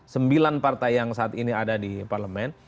sembilan partai yang saat ini ada di parlemen